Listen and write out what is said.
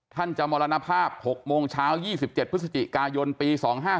ท่านจะมรณภาพ๖โมงเช้า๒๗พฤศจิกายนปี๒๕๖